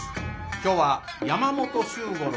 今日は山本周五郎